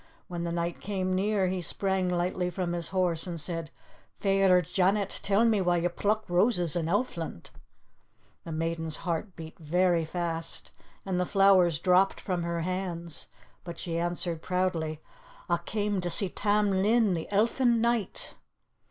When the knight came near, he sprang lightly from his horse and said, "Fair Janet, tell me why you pluck roses in Elfland?" The maiden's heart beat very fast, and the flowers dropped from her hands, but she answered proudly, "I came to see Tam Lin, the Elfin Knight."